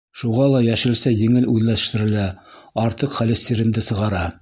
Шуға ла йәшелсә еңел үҙләштерелә, артыҡ холестеринды сығара.